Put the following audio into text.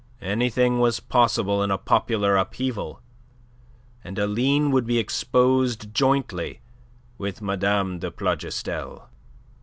Anything was possible in a popular upheaval, and Aline would be exposed jointly with Mme. de Plougastel.